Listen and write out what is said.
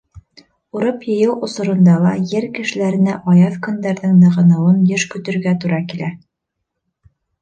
Урып йыйыу осоронда ла ер кешеләренә аяҙ көндәрҙең нығыныуын йыш көтөргә тура килә.